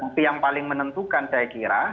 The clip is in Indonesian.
tapi yang paling menentukan saya kira